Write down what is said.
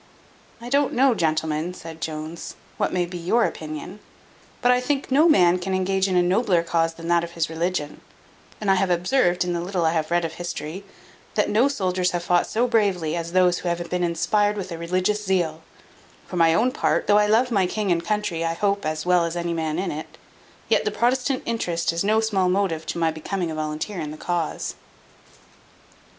"I don't know, gentlemen," said Jones, "what may be your opinion; but I think no man can engage in a nobler cause than that of his religion; and I have observed, in the little I have read of history, that no soldiers have fought so bravely as those who have been inspired with a religious zeal: for my own part, though I love my king and country, I hope, as well as any man in it, yet the Protestant interest is no small motive to my becoming a volunteer in the cause."